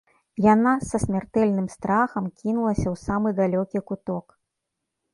Яна са смяртэльным страхам кінулася ў самы далёкі куток.